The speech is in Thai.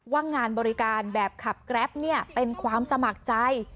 ว่างานบริการแบบขับแกรปเป็นความสมัครใจ